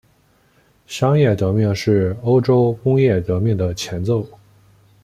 商业革命是欧洲工业革命的前奏。